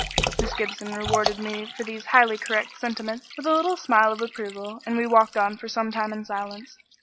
Miss Gibson rewarded me for these highly correct sentiments with a little smile of approval, and we walked on for some time in silence.